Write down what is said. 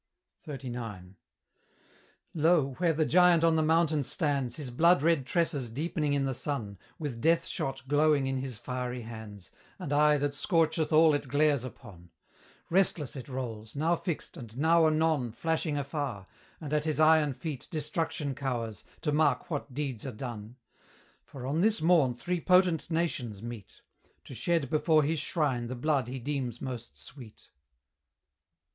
XXXIX. Lo! where the Giant on the mountain stands, His blood red tresses deepening in the sun, With death shot glowing in his fiery hands, And eye that scorcheth all it glares upon; Restless it rolls, now fixed, and now anon Flashing afar, and at his iron feet Destruction cowers, to mark what deeds are done; For on this morn three potent nations meet, To shed before his shrine the blood he deems most sweet.